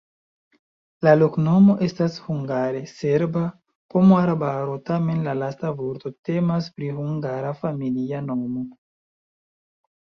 La loknomo estas hungare: serba-pomoarbaro, tamen la lasta vorto temas pri hungara familia nomo.